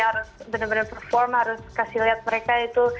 harus bener bener perform harus kasih lihat mereka itu